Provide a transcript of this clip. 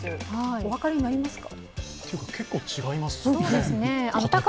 お分かりになりますか？